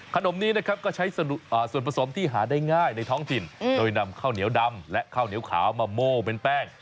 ขนมนี้นะครับก็ใช้ส่วนผสมที่หาได้ง่ายในท้องถิ่นโดยนำข้าวเหนียวดำและข้าวเหนียวขาวมาโม่เป็นแป้ง